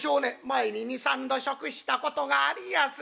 「前に２３度食したことがありやす」。